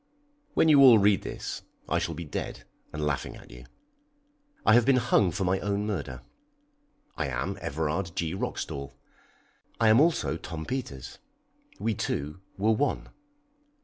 When you all read this I shall be dead and laughing at you. I have been hung for my own murder. I am Everard G. Roxdal. I am also Tom Peters. We two were one.